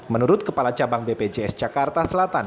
menurut kepala cabang bpjs jakarta selatan